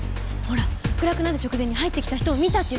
ほら暗くなる直前に入ってきた人を見たって言ったでしょ。